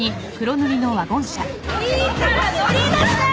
いいから乗りなさい！